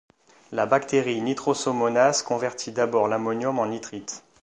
La bactérie Nitrosomonas convertit d'abord l'ammonium en nitrite.